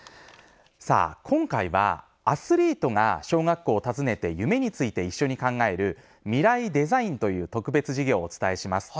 今回は、アスリートが小学校を訪ねて夢について一緒に考える「ミライ×デザイン」という特別授業をお伝えします。